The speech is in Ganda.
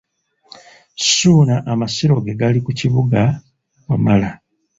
Ssuuna amasiro ge gali ku Kibuga Wamala.